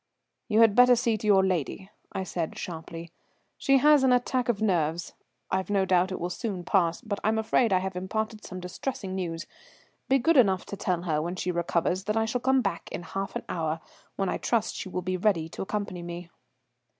"You had better see to your lady," I said sharply. "She has an attack of nerves. I've no doubt it will soon pass, but I'm afraid I have imparted some distressing news. Be good enough to tell her when she recovers that I shall come back in half an hour, when I trust she will be ready to accompany me."